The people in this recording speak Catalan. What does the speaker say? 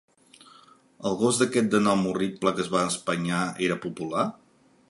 El gos aquest de nom horrible que es va espenyar era popular?